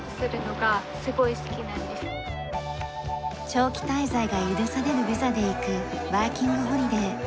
長期滞在が許されるビザで行くワーキングホリデー。